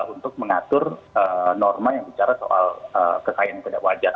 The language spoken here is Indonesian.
untuk mengatur norma yang bicara soal kekayaannya tidak wajar